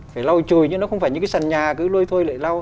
phải lau chùi nhưng nó không phải những cái sàn nhà cứ lôi thôi lại lau